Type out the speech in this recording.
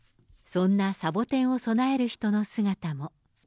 そんなサボテンを供える人の姿も。